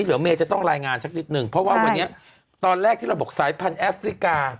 เหลือเมย์จะต้องรายงานสักนิดนึงเพราะว่าวันนี้ตอนแรกที่เราบอกสายพันธุแอฟริกา